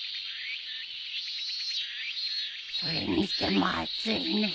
それにしても暑いね。